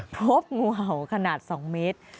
พบงูเห่าขนาด๒เมตร